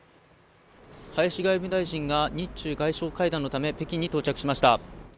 林外務大臣が日中外相会談のため、北京に到着しました。